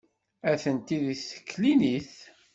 Atenti deg teklinit.